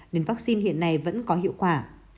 nên vaccine hiện nay vẫn có hiệu quả